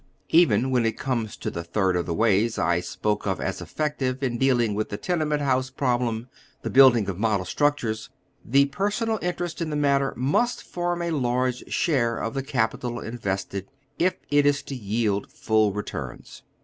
Even when it comes to tlie tliird of the ways I spoke of as effective in dealing with the tenement house problem, the building of model structures, the personal interest in the matter must form a large sliare of tlie capital in vested, if it is to yield full retui'ns.